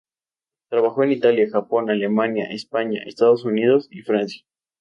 Trabajó en Italia, Japón, Alemania, España, Estados Unidos y Francia.